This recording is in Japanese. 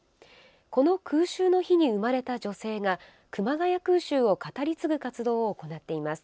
この空襲の日に生まれた女性が熊谷空襲を語り継ぐ活動を行っています。